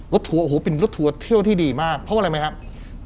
ทัวร์โอ้โหเป็นรถทัวร์เที่ยวที่ดีมากเพราะอะไรไหมครับ